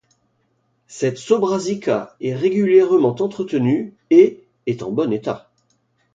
Cette sobrašica est régulièrement entretenue et est en bon état.